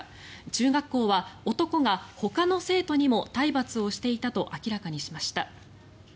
中学校は男がほかの生徒にも体罰をしていたと明らかにしました。